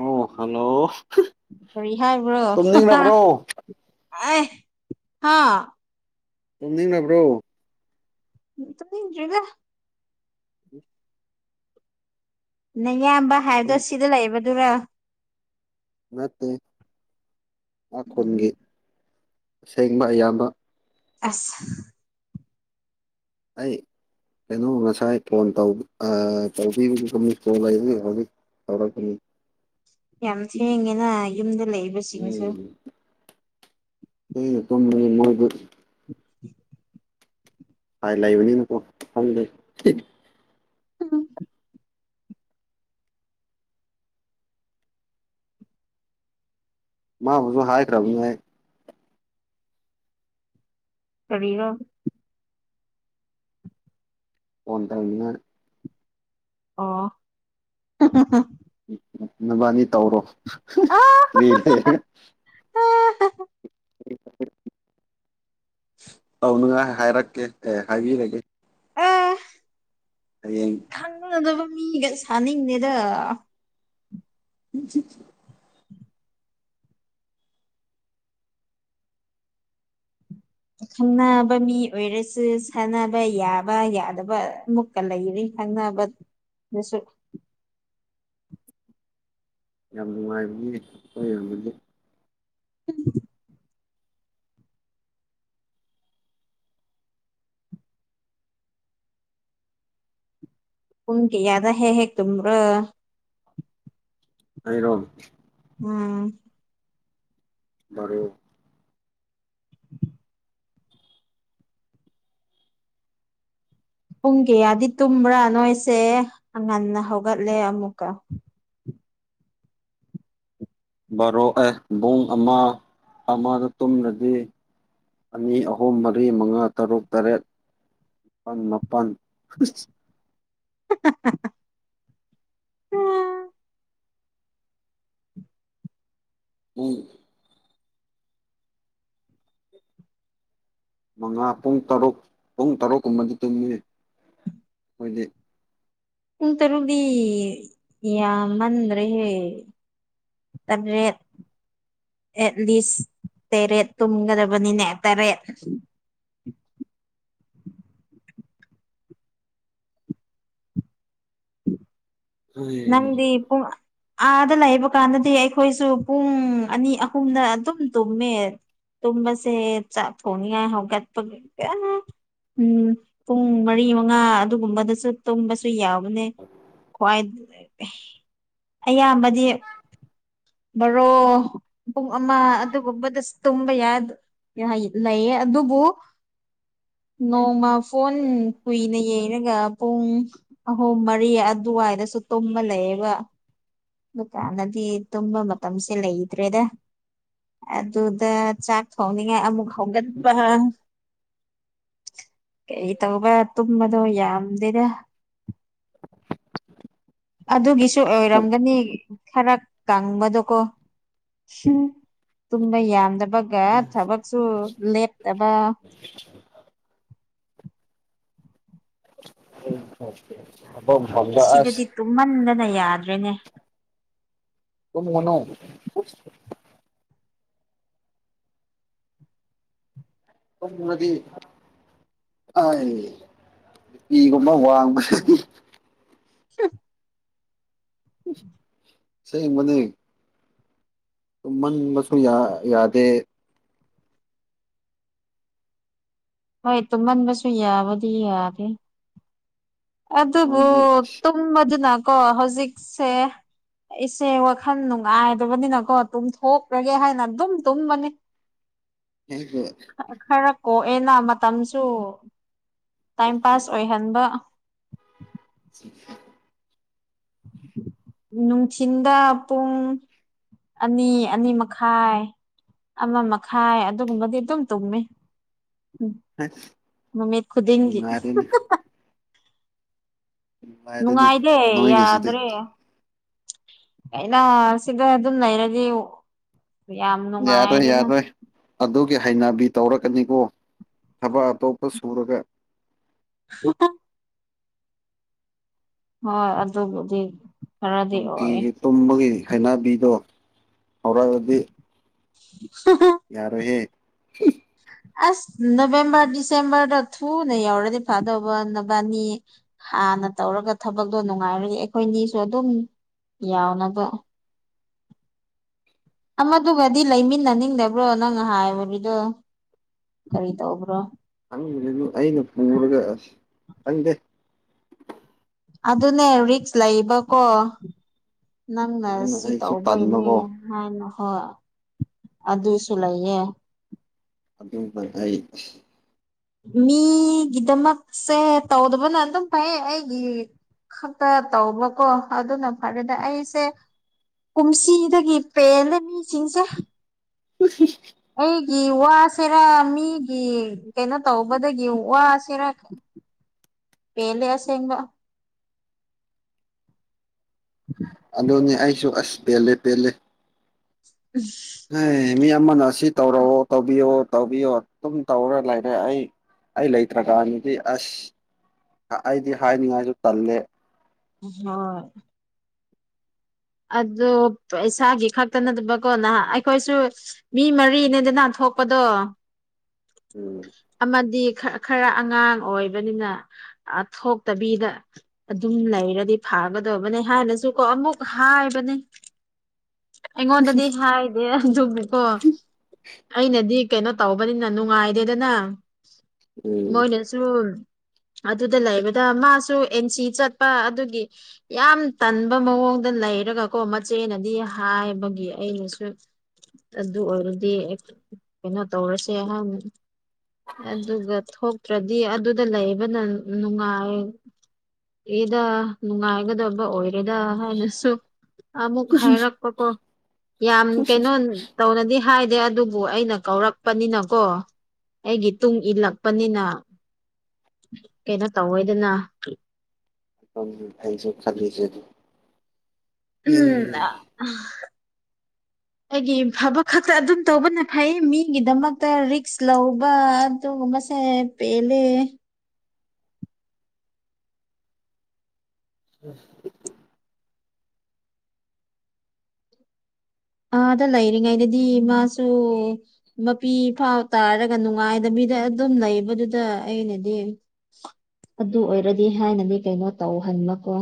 ꯑꯣ ꯍꯜꯂꯣ ꯇꯨꯝꯅꯤꯡꯂꯕꯔꯣ ꯑꯩ ꯍꯥꯥ ꯇꯨꯝꯅꯤꯡꯔꯕ꯭ꯔꯣ [unintelligible] ꯇꯨꯝꯅꯤꯡꯇ꯭ꯔꯤꯗ꯫ ꯅꯌꯥꯝꯕ ꯍꯥꯏꯕꯗꯣ ꯇꯨꯝ ꯁꯤꯗ ꯂꯩꯕꯗꯨꯔ꯫ ꯅꯠꯇꯦ ꯑꯥꯈꯨꯟꯒꯤ ꯑꯁꯦꯡꯕ ꯑꯌꯥꯝꯕ꯫ ꯑꯁ꯫ ꯑꯩ ꯀꯩꯅꯣ ꯉꯁꯥꯏ ꯐꯣꯟꯇꯧ꯫ [unintelligible] ꯇꯧꯔꯛꯒ꯭ꯅꯤ꯫ ꯌꯥꯝ ꯊꯦꯡꯉꯤꯅ ꯌꯨꯝꯗ ꯂꯩꯕ꯫ ꯎꯝ ꯊ‌ꯦꯡꯅ ꯇꯨꯝꯕꯅꯤ ꯃꫭꯏꯗꯤ꯫ [unintelligible] ꯍꯥꯏ ꯂꯩꯕꯅꯤꯅꯀꯣ ꯈꯪꯗ‌ꯦ꯫ [unintelligible] ꯃꯥꯕꯨꯁꯨ ꯍꯥꯏꯈ꯭ꯔꯕꯅꯦ ꯑꯩ꯫ ꯀꯔꯤꯔꫭ꯫ ꯐꫭꯟ ꯇꯧꯅꯤꯉꯥꯏ꯫ ꯑꯣ꯫ [unintelligible] ꯅꯕꯥꯅꯤ ꯇꯧꯔꯣ [unintelligible] ꯔꯤ [unintelligible] [unintelligible] ꯇꯧ ꯅꯨꯉꯥꯏ ꯍꯥꯏꯔꯛꯀꯦ ꯑꯦ ꯍꯥꯏꯕꯤꯔꯒꯦ꯫ ꯑꯥ ꯍꯌꯦꯡ ꯈꯪꯅꯗꯕ ꯃꯤꯒ ꯁꯥꯅꯤꯡꯗꯦꯗ [unintelligible] ꯈꯪꯅꯕ ꯃꯤ ꯑꯣꯏꯔꯁꯨ ꯁꯥꯟꯅꯕ ꯌꯥꯕ ꯌꯥꯗꯕ ꯃꯨꯛ ꯀ ꯂꯩꯔꯤ ꯈꯪꯅꯕ ꯑꯗꯨꯁꯨ ꯌꯥꯝ ꯅꯨꯡꯉꯥꯏꯕꯅꯤ [unintelligible] [unintelligible] ꯄꯨꯡ ꯀꯌꯥꯗ ꯍꯦꯛ ꯍꯦꯛ ꯇꯨꯝꯕ꯭ꯔꯥ ꯑꯩꯔꯣ ꯎꯝ ꯕꯔꯣ ꯄꯨꯡ ꯀꯌꯥꯗꯤ ꯇꯨꯝꯕ꯭ꯔꯥ ꯅꯣꯏꯁꯦ ꯉꯟꯅ ꯍꯧꯒꯠꯂꯦ ꯑꯃꯨꯛꯀ ꯕꯥꯔꯣ ꯑꯦ ꯕꯨꯡ ꯑꯃ ꯑꯃꯗ ꯇꯨꯝꯂꯗꯤ ꯑꯅꯤ ꯑꯍꯨꯝ ꯃꯔꯤ ꯃꯉꯥ ꯇꯔꯨꯛ ꯇꯔꯦꯠ [unintelligible] ꯃꯥꯄꯜ [unintelligible] [unintelligible] ꯎꯉ ꯃꯉꯥ ꯄꯨꯡ ꯇꯔꯨꯛ ꯄꯨꯡ ꯇꯔꯨꯛꯀꯨꯝꯕꯗꯤ ꯇꯨꯝꯃꯤ ꯈꯣꯏꯗꯤ ꯄꯨꯡ ꯇꯔꯨꯛꯗꯤ ꯌꯥꯝꯃꯟꯗ꯭ꯔꯦꯍꯦ ꯇꯔꯦꯠ ꯑꯦꯠ ꯂꯤꯁ ꯇꯔꯦꯠ ꯇꯨꯝꯒꯗꯕꯅꯤꯅꯦ ꯇꯔꯦꯠ ꯅꯪꯗꯤ ꯄꯨꯡ ꯑꯥꯗ ꯂꯩꯕ ꯀꯥꯟꯗꯗꯤ ꯑꯩꯈꯣꯏꯁꯨ ꯄꯨꯡ ꯑꯅꯤ ꯑꯍꯨꯝꯅ ꯑꯗꯨꯝ ꯇꯨꯝꯃꯦ ꯇꯨꯝꯕꯁꯦ ꯆꯥꯛ ꯊꯣꯡꯅꯤꯉꯥꯏ ꯍꯒꯠꯄ [unintelligible] ꯎꯝ ꯄꯨꯡ ꯃꯔꯤ ꯃꯉꯥ ꯑꯗꯨꯒꯨꯝꯕꯗꯁꯨ ꯇꯨꯝꯕꯁꯨ ꯌꯥꯎꯋ [unintelligible] ꯈ꯭ꯋꯥꯏ [unintelligible] ꯑꯌꯥꯝꯕꯗꯤ ꯕꯔꯣ ꯄꯨꯡ ꯑꯃ ꯑꯗꯨꯒꯨꯝꯕꯗꯁꯨ ꯇꯨꯝꯕ [unintelligible] [unintelligible] ꯂꯩꯌꯦ ꯑꯗꯨꯕꯨ [inaudible] ꯅꯣꯡꯃ ꯐꯣꯟ ꯀꯨꯏꯅ ꯌꯦꯡꯔꯒ ꯄꯨꯡ ꯑꯍꯨꯝ ꯃꯔꯤ ꯑꯗꯨꯋꯥꯏꯗꯁꯨ ꯇꯨꯝꯕ ꯂꯩꯌꯦꯕ ꯑꯗꯨꯀꯥꯟꯗꯗꯤ ꯇꯨꯝꯕ ꯃꯇꯝꯁꯦ ꯂꯩꯇ꯭ꯔꯦꯗ ꯑꯗꯨꯗ ꯆꯥꯛ ꯊꯣꯡꯅꯤꯡꯉꯥꯏ ꯑꯃꯨꯛ ꯍꯧꯒꯠꯄ ꯀꯩ ꯇꯧꯕ ꯇꯨꯝꯕꯗꯣ ꯌꯥꯝꯗꯦꯗ ꯑꯗꯨꯒꯤꯁꯨ ꯑꯣꯏꯔꯝꯒꯅꯤ ꯈꯔ ꯀꯪꯕꯗꯣꯀꯣ ꯇꯨꯝꯕ ꯌꯥꯝꯗꯕꯒ ꯊꯕꯛꯁꯨ ꯂꯦꯞꯇꯕ ꯊꯕꯛ ꯃꯥꯐꯝꯗꯥ ꯑꯁ ꯁꯤꯗꯗꯤ ꯇꯨꯝꯃꯟꯗꯅ ꯌꯥꯗ꯭ꯔꯦꯅꯦ ꯇꯨꯝꯒꯅꯣ ꯇꯨꯝꯔꯗꯤ ꯑꯩ ꯕꯤ ꯄꯤ ꯒꯨꯝꯕ ꯋꯥꯡꯕꯁꯤꯗꯤ [unintelligible] ꯑꯁꯦꯡꯕꯅꯦ ꯇꯨꯝꯃꯟꯕꯁꯨ ꯌꯥ ꯌꯥꯗꯦ ꯍꯣꯏ ꯇꯨꯝꯄꯟꯕꯁꯨ ꯌꯥꯕꯨꯗꯤ ꯌꯥꯗꯦ ꯑꯗꯨꯕꯨ ꯅꯣꯏꯗꯤ ꯑꯁ ꯇꯨꯝꯕꯗꯨꯅꯀꯣ ꯍꯧꯖꯤꯛꯁꯦ ꯑꯩꯁꯦ ꯋꯥꯈꯜ ꯅꯨꯡꯉꯥꯏꯗꯕꯅꯤꯅꯀꯣ ꯇꯨꯝꯊꯣꯛꯂꯒꯦ ꯍꯥꯏꯅ ꯑꯗꯨꯝ ꯇꯨꯝꯕꯅꯤ [unintelligible] ꯈꯔ ꯀꯣꯛꯑꯦꯅ ꯃꯇꯝꯁꯨ ꯇꯥꯏꯝ ꯄꯥꯁ ꯑꯣꯏꯍꯟꯕ [unintelligible] ꯅꯨꯡꯊꯤꯟꯗꯥ ꯄꯨꯡ ꯑꯅꯤ ꯑꯅꯤ ꯃꯈꯥꯏ ꯑꯃ ꯃꯈꯥꯏ ꯑꯗꯨꯒꯨꯝꯕꯗꯤ ꯑꯗꯨꯝ ꯇꯨꯝꯃꯤ ꯎꯝ ꯅꯨꯃꯤꯠ ꯈꯨꯗꯤꯡꯒꯤ ꯅꯨꯡꯉꯥꯏꯔꯦꯅꯦ ꯅꯨꯡꯉꯥꯏꯔꯦꯅꯦ ꯅꯨꯡꯉꯥꯏꯒꯦ ꯅꯣꯏꯒꯤꯁꯤꯗꯤ ꯌꯥꯗ꯭ꯔꯦ ꯑꯩꯅ ꯁꯤꯗ ꯑꯗꯨꯝ ꯂꯩꯔꯗꯤ ꯌꯥꯝ ꯌꯥꯔꯣꯏ ꯅꯨꯡꯉꯥꯏꯔꯦꯅ ꯌꯥꯔꯣꯏ ꯑꯗꯨꯒꯤ ꯍꯩꯅꯕꯤ ꯇꯧꯔꯛꯀꯅꯤꯀꯣ ꯊꯕꯛ ꯑꯇꯣꯞꯄ ꯁꯨꯔꯒ [unintelligible] ꯍꯣꯏ ꯑꯗꯨꯕꯨꯗꯤ ꯈꯔꯗꯤ ꯑꯣꯏ ꯅꯨꯡꯇꯤꯒꯤ ꯇꯨꯝꯕꯒꯤ ꯍꯩꯅꯕꯤꯗꯣ ꯍꯧꯔꯛꯑꯗꯤ [unintelligible] ꯌꯥꯔꯣꯏꯍꯦ ꯑꯁ ꯅꯕꯦꯝꯕ꯭ꯔ ꯗꯤꯁꯦꯝꯕ꯭ꯔꯗ ꯊꯨꯅ ꯌꯧꯔꯗꯤ ꯐꯥꯗꯧꯕ ꯅꯕꯥꯅꯤ ꯍꯥꯟꯅ ꯇꯧꯔꯒ ꯊꯕꯛꯇꯣ ꯅꯨꯡꯉꯥꯏꯔꯗꯤ ꯑꯩꯈꯣꯏꯅꯤꯁꯨ ꯑꯗꯨꯝ ꯌꯥꯎꯅꯕ ꯑꯃꯗꯨꯒꯗꯤ ꯂꯩꯃꯤꯟꯅꯅꯤꯡꯗꯕ꯭ꯔꯣ ꯅꯪꯅ ꯍꯥꯏꯕ ꯃꯤꯗꯣ ꯀꯔꯤ ꯇꯧꯕ꯭ꯔꯣ [unintelligible] ꯑꯩꯅ ꯄꯨꯔꯒ ꯑꯁ ꯈꯪꯗꯦ ꯑꯗꯨꯅꯦ ꯔꯤꯛꯁ ꯂꯩꯕꯀꯣ ꯅꯪꯅ ꯑꯗꯨꯅ ꯁꯤ ꯑꯩꯁꯨ ꯇꯧꯕꯩꯅꯤ ꯇꯟꯕꯀꯣ ꯍꯥꯟꯅ ꯍꯣꯏ ꯑꯗꯨꯁꯨ ꯂꯩꯌꯦ ꯑꯗꯨꯝꯕ ꯑꯩ ꯃꯤꯒꯤꯗꯃꯛꯁꯦ ꯇꯧꯗꯕꯅ ꯑꯗꯨꯝ ꯐꯩꯌꯦ ꯑꯩꯒꯤ ꯈꯛꯇ ꯇꯧꯕꯀꯣ ꯑꯗꯨꯅ ꯐꯔꯦꯗ ꯑꯩꯁꯦ ꯀꯨꯝꯁꯤꯗꯒꯤ ꯄꯦꯜꯂꯦ ꯃꯤꯁꯤꯡꯁꯦ [unintelligible] ꯑꯩꯒꯤ ꯋꯥꯁꯤꯔꯥ ꯃꯤꯒꯤ ꯀꯩꯅꯣ ꯇꯧꯕꯗꯒꯤ ꯋꯥꯁꯤꯔ ꯄꯦꯜꯂꯦ ꯑꯁꯦꯡꯕ ꯑꯗꯨꯅꯤ ꯑꯩꯁꯨ ꯑꯁ ꯄꯦꯜꯂꯦ ꯄꯦꯜꯂꯦ ꯑꯁ ꯍꯩ ꯃꯤ ꯑꯃꯅ ꯁꯤ ꯇꯧꯔꯛꯑꯣ ꯇꯧꯕꯤꯌꯣ ꯇꯧꯕꯤꯌꯣ ꯑꯗꯨꯝ ꯇꯧꯔ ꯂꯩꯔꯦ ꯑꯩ ꯑꯩ ꯂꯩꯇ꯭ꯔꯀꯥꯟꯗꯗꯤ ꯑꯁ ꯑ ꯑꯩꯗꯤ ꯍꯥꯏꯅꯤꯡꯉꯥꯏꯁꯨ ꯇꯜꯂꯦ ꯑꯍꯣꯏ ꯑꯗꯨ ꯄꯩꯁꯥꯒꯤ ꯈꯛꯇ ꯅꯠꯇꯕꯀꯣ ꯅꯍꯥꯟ ꯑꯩꯈꯣꯏꯁꯨ ꯃꯤ ꯃꯔꯤꯅꯦꯗꯅ ꯊꯣꯛꯄꯗꯣ ꯎꯝ ꯑꯃꯗꯤ ꯈꯔ ꯈꯔ ꯑꯉꯥꯡ ꯑꯣꯏꯕꯅꯤꯅ ꯑ ꯊꯣꯛꯇꯕꯤꯗ ꯑꯗꯨꯝ ꯂꯩꯔꯗꯤ ꯐꯥꯒꯗꯕꯧꯅꯦ ꯍꯥꯟꯅꯁꯨ ꯀꯣ ꯑꯃꯨꯛ ꯍꯥꯏꯕꯅꯤ ꯑꯩꯉꯣꯟꯗꯗꯤ ꯍꯥꯏ ꯗꯦ ꯑꯗꯨꯕꯨꯀꯣ ꯑꯩꯅꯗꯤ ꯀꯩꯅꯣ ꯇꯧꯕꯅꯤꯅ ꯅꯨꯡꯉꯥꯏꯗꯦꯗꯅ ꯎꯝ ꯃꯣꯏꯅꯁꯨꯨ ꯑꯗꯨꯗ ꯂꯩꯕꯗ ꯃꯥꯁꯨ ꯑꯦꯟꯁꯤ ꯆꯠꯄ ꯑꯗꯨꯒꯤ ꯌꯥꯝ ꯇꯟꯕ ꯃꯑꯣꯡ ꯗ ꯂꯩꯔꯒ ꯀꯣ ꯃꯆꯦꯅꯗꯤ ꯍꯥꯏꯕꯒꯤ ꯑꯩꯅꯁꯨ ꯑꯗꯨ ꯑꯣꯏꯔꯗꯤ ꯀꯩꯅꯣ ꯇꯧꯔꯁꯦ ꯍꯥꯏꯅ ꯑꯗꯨꯒ ꯊꯣꯛꯇ꯭ꯔꯗꯤ ꯑꯗꯨꯗ ꯂꯩꯕꯅ ꯅꯨꯡꯉꯥꯏ ꯑꯦꯗꯥ ꯅꯨꯡꯉꯥꯏꯒꯗꯕ ꯑꯣꯏꯔꯦꯗ ꯁꯨꯛ ꯑꯃꯨꯛ ꯍꯥꯏꯔꯛꯄꯀꯣ ꯌꯥꯝ ꯀꯩꯅꯣ ꯇꯧꯅꯗꯤ ꯍꯥꯏꯗꯦ ꯑꯗꯨꯕꯨ ꯑꯩꯅ ꯀꯧꯔꯛꯄꯅꯤꯅꯀꯣ ꯑꯩꯒꯤ ꯇꯨꯡ ꯏꯜꯂꯛꯄꯅꯤꯅ ꯀꯩꯅꯣ ꯇꯧꯋꯦꯗꯅ ꯄꯝꯗꯤ ꯑꯩꯖꯨ ꯈꯜꯂꯤꯖꯦ ꯑꯗꯨ ꯎꯝ ꯑꯥ [inaudible] ꯑꯩꯒꯤ ꯐꯕ ꯈꯛꯇ ꯑꯗꯨꯝ ꯇꯧꯕꯅ ꯐꯩ ꯃꯤꯒꯤꯗꯃꯛꯇ ꯔꯤꯛꯁ ꯂꯧꯕ ꯑꯗꯨꯒꯨ ꯃꯁꯦ ꯄꯦꯜꯂꯦ [inaudible] ꯑꯥ ꯑꯗ ꯂꯩꯔꯤꯉꯩꯗꯗꯤ ꯃꯥꯁꯨ ꯃꯄꯤ ꯐꯥꯎ ꯇꯥꯔꯒ ꯅꯨꯡꯉꯥꯏꯗꯕꯤꯗ ꯑꯗꯨꯝ ꯂꯩꯕꯗꯨꯗ ꯑꯩꯅꯗꯤ ꯑꯗꯨ ꯑꯣꯏꯔꯗꯤ ꯍꯥꯏꯅꯗꯤ ꯀꯩꯅꯣ ꯇꯧꯍꯟꯕꯀꯣ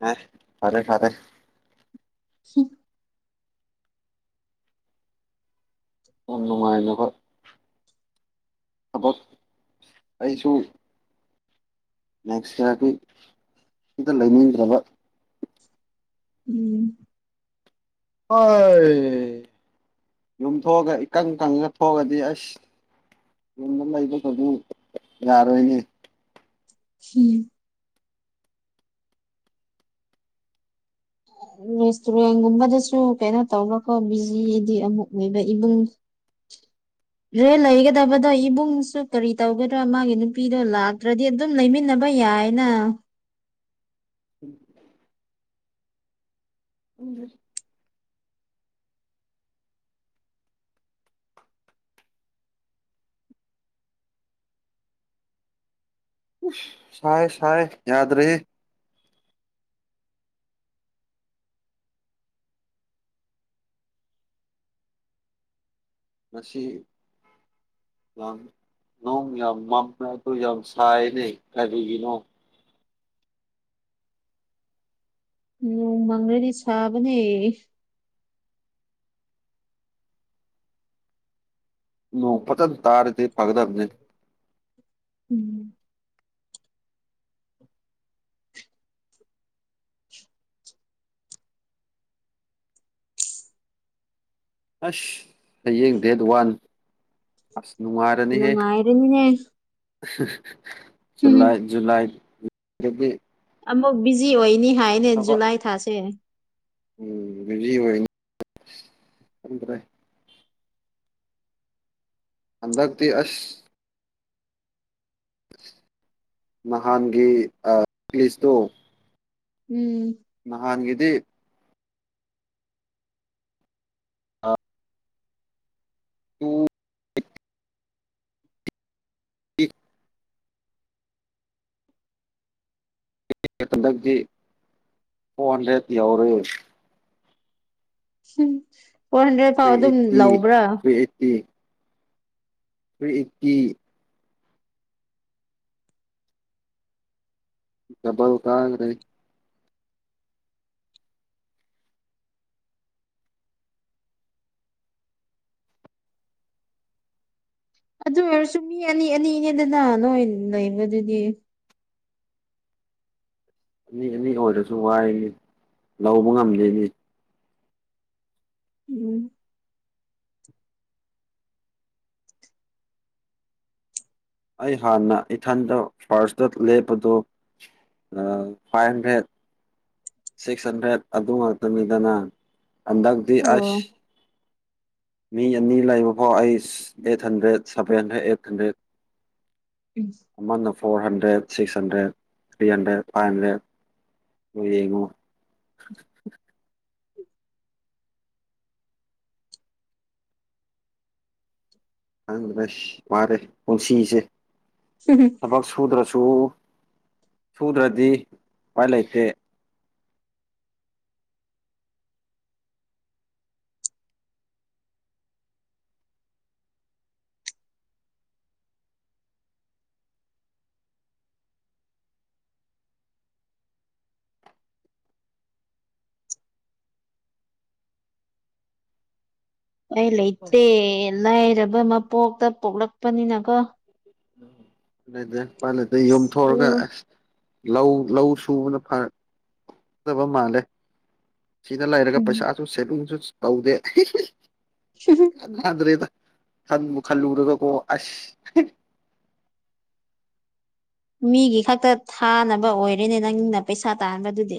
ꯅꯦ ꯐꯔꯦ ꯐꯔꯦ ꯍꯨꯝ ꯑꯣꯞ ꯅꯨꯡꯉꯥꯏꯅꯕ ꯊꯕꯛ ꯑꯩꯁꯨ ꯅꯦꯛꯁꯇ ꯇꯨꯝ ꯗ ꯂꯩꯅꯤꯡꯗ꯭ꯔꯕ ꯎꯝ ꯍꯣꯏ ꯌꯨꯝꯊꯣꯛꯑꯒ ꯏꯀꯪ ꯀꯪꯉꯒ ꯊꯣꯛꯑꯗꯤ ꯑꯁ ꯎꯪꯉꯥ ꯂꯩꯕꯗꯨꯗꯤ ꯌꯥꯔꯣꯏꯅꯦ ꯁꯤꯝ ꯔꯦꯁꯇꯨꯔꯦꯟꯒꯨꯝꯕꯗꯁꯨ ꯀꯩꯅꯣ ꯇꯧꯕꯀꯣ ꯕꯤꯖꯤꯗꯤ ꯑꯃꯨꯛ ꯂꯩꯕ ꯏꯕꯨꯡ [inaudible] ꯔꯦꯜ ꯂꯩꯒꯗꯕꯗꯣ ꯏꯕꯨꯡꯁꯨ ꯀꯔꯤ ꯇꯧꯒꯗ꯭ꯔ ꯃꯥꯒꯤ ꯅꯨꯄꯤꯗꯣ ꯂꯥꯛꯇ꯭ꯔꯗꯤ ꯑꯗꯨꯝ ꯂꯩꯃꯤꯟꯅꯕ ꯌꯥꯏꯅ꯫ [unintelligible] ꯎꯝ [unintelligible] ꯎꯁ ꯁꯥꯥꯏ ꯁꯥꯥꯏ ꯌꯥꯗ꯭ꯔꯦꯍꯦ ꯉꯁꯤ ꯂꯥꯡ ꯅꯣꯡ ꯌꯥꯝ ꯃꯝꯔ꯭ꯖꯨ ꯌꯥꯝ ꯁꯥꯏꯌꯦꯅꯦ ꯀꯔꯤꯒꯤꯅꯣ ꯅꯣꯡ ꯃꯪꯔꯗꯤ ꯁꯥꯕꯅꯦ ꯅꯣꯡ ꯐꯖꯟꯅ ꯇꯥꯔꯗꯤ ꯐꯒꯗꯕꯅꯦ ꯎꯝ ꯑꯁ ꯍꯌꯦꯡ ꯗꯦꯠ ꯋꯥꯟ ꯑꯁ ꯅꯨꯡꯉꯥꯏꯔꯅꯤꯍꯦ ꯅꯨꯡꯉꯥꯏꯔꯅꯤꯅꯦ [unintelligible] ꯖꯨꯂꯥꯏ ꯖꯨꯂꯥꯏꯗꯗꯤ ꯑꯃꯨꯛ ꯕꯤꯖꯤ ꯑꯣꯏꯅꯤ ꯍꯥꯏꯅꯦ ꯊꯕꯛ ꯖꯨꯂꯥꯏ ꯊꯥꯁꯦ ꯎꯝ ꯕꯤꯖꯤ ꯑꯣꯏꯅꯤ ꯈꯪꯗꯔꯦ ꯍꯟꯗꯛꯗꯤ ꯑꯁ ꯅꯍꯥꯟꯒꯤ ꯑ ꯄꯦꯖꯇꯣ ꯎꯝ ꯅꯍꯥꯟꯒꯤꯗꯤ [unintelligible] ꯍꯟꯗꯛꯇꯤ ꯐꯣꯔ ꯍꯟꯗꯔ꯭ꯦꯠ ꯌꯥꯎꯔꯦ ꯎꯝ ꯐꯣꯔ ꯍꯟꯗ꯭ꯔꯦꯗ ꯐꯥꯎ ꯊ꯭ꯔꯤ ꯑꯗꯨꯝ ꯑꯩꯠꯇꯤ ꯂꯧꯕ꯭ꯔꯥ꯫ [unintelligible] ꯊꯔꯤ ꯑꯦꯠꯇꯤ ꯗꯕꯜ ꯀꯥꯒꯥꯔꯦ ꯑꯗꯨ ꯑꯣꯏꯔꯁꯨ ꯃꯤ ꯑꯅꯤ ꯑꯅꯤꯅꯦꯗꯅ ꯅꯣꯏ ꯂꯩꯕꯗꯨꯗꯤ ꯃꯤ ꯑꯅꯤ ꯑꯣꯏꯔꯁꯨ ꯋꯥꯏꯌꯦ ꯂꯧꯕ ꯉꯝꯗꯦꯅꯦ ꯎꯝ ꯑꯩ ꯍꯥꯟꯅ ꯏꯊꯟꯗ ꯐꯥꯔꯁꯇ ꯂꯦꯞꯄꯗꯣ ꯑ ꯐꯥꯏꯚ ꯍꯟꯗ꯭ꯔꯦꯠ ꯁꯦꯁꯟ ꯗꯥ ꯑꯗꯨ ꯉꯥꯛꯇꯅꯤꯗꯅ ꯍꯟꯗꯛꯇꯤ ꯑꯣ ꯑꯁ ꯃꯤ ꯑꯅꯤ ꯂꯩꯕ ꯐꯥꯎ ꯑꯩꯁ ꯑꯩꯠꯍꯟꯗ꯭ꯔꯦꯠ ꯁꯚꯦꯟꯍꯟꯗ꯭ꯔꯦꯠ ꯑꯩꯠ ꯍꯟꯗ꯭ꯔꯦꯠ [unintelligible] ꯑꯃꯅ four hundred six hundred three hundred five hundred ꯑꯣꯏ ꯌꯦꯡꯉꯣ [unintelligible] ꯋꯥꯔꯦ ꯄꯨꯟꯁꯤꯁꯦ [unintelligible] ꯊꯕꯛ ꯁꯨꯗ꯭ꯔꯁꯨ ꯁꯨꯗ꯭ꯔꯗꯤ ꯎꯄꯥꯏ ꯂꯩꯇꯦ ꯑꯩ ꯂꯩꯇꯦ ꯂꯥꯏꯔꯕ ꯃꯄꯣꯛꯇ ꯄꯣꯛꯂꯛꯄꯅꯤꯅꯀꯣ ꯂꯩꯇꯦ ꯎꯄꯥꯏ ꯂꯩꯇꯦ ꯌꯨꯝꯊꯣꯛꯑꯒ ꯎꯝ ꯑꯁ ꯂꯧ ꯂꯧ ꯁꯨꯕꯅ ꯐ ꯐꯒꯗꯕ ꯃꯥꯜꯂꯦ ꯁꯤꯗ ꯂꯩꯔꯒ ꯎꯝ ꯄꯩꯁꯥꯁꯨ ꯁꯦꯕꯤꯡꯁꯨ ꯇꯧꯗꯦ [unintelligible] [unintelligible] ꯀꯥꯟꯅꯗ꯭ꯔꯦꯗ ꯈꯟꯕꯨ ꯈꯜꯂꯨꯔꯒ ꯀꯣ ꯑꯁ ꯃꯤꯒꯤ ꯈꯛꯇ ꯊꯥꯅꯕ ꯑꯣꯏꯔꯦꯅꯦ ꯅꯪꯅ ꯄꯩꯁꯥ ꯇꯥꯟꯕꯗꯨꯗꯤ